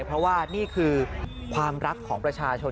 เพราะว่านี่คือความรักของประชาชน